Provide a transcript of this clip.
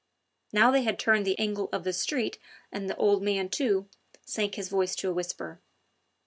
Now they had turned the angle of the street and the old man, too, sank his voice to a whisper.